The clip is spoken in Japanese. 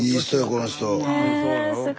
この人。